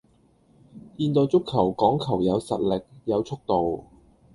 現代足球講求有實力,有速度